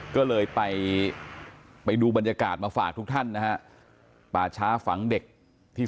ก็เลยไปไปดูบรรยากาศมาฝากทุกท่านนะฮะป่าช้าฝังเด็กที่